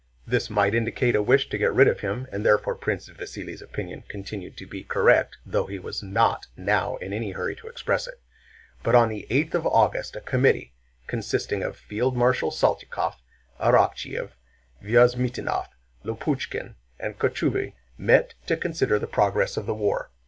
This might indicate a wish to get rid of him, and therefore Prince Vasíli's opinion continued to be correct though he was not now in any hurry to express it. But on the eighth of August a committee, consisting of Field Marshal Saltykóv, Arakchéev, Vyazmítinov, Lopukhín, and Kochubéy met to consider the progress of the war.